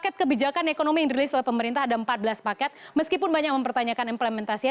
paket kebijakan ekonomi yang dirilis oleh pemerintah ada empat belas paket meskipun banyak mempertanyakan implementasi